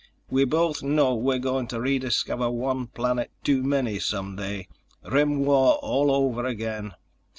"We both know we're going to rediscover one planet too many some day. Rim War all over again.